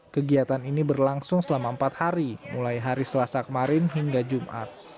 kegiatan ini berlangsung selama empat hari mulai hari selasa kemarin hingga jumat